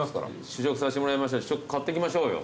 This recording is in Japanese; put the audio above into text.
試食させてもらいましたし買っていきましょうよ。